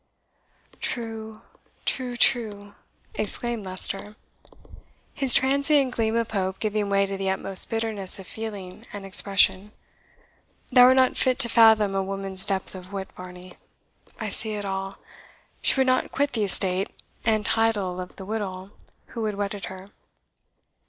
"True, true, true!" exclaimed Leicester, his transient gleam of hope giving way to the utmost bitterness of feeling and expression; "thou art not fit to fathom a woman's depth of wit, Varney. I see it all. She would not quit the estate and title of the wittol who had wedded her.